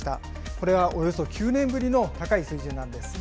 これはおよそ９年ぶりの高い水準なんです。